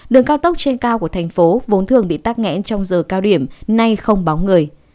đường cao tốc trên cao của thành phố vốn thường bị tắc nghẽn trong giờ cao điểm nay không báo người